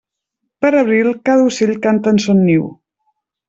Per l'abril, cada ocell canta en son niu.